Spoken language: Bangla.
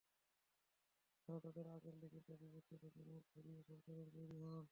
তাঁরা তাঁদের আগের লিখিত বিবৃতি থেকে মুখ ঘুরিয়ে সরকারের বৈরী হন।